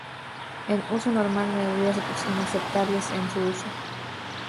En uso normal no hay riesgos inaceptables en su uso.